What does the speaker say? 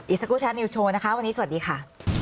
อีซากูแทนนิวโชว์วันนี้สวัสดีค่ะ